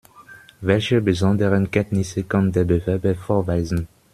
Welche besonderen Kenntnisse kann der Bewerber vorweisen?